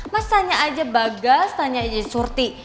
mas tanya aja bagas tanya aja surti